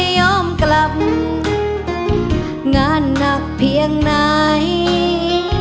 ยอมกลับงานหนักเพียงไหน